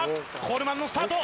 コールマンのスタート